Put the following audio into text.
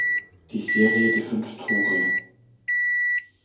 Die Serie "Die fünf Tore.